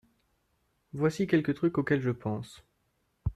Voici quelques trucs auxquels je pense.